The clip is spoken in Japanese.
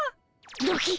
ドキッ。